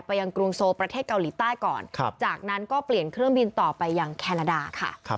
ยังกรุงโซประเทศเกาหลีใต้ก่อนจากนั้นก็เปลี่ยนเครื่องบินต่อไปยังแคนาดาค่ะ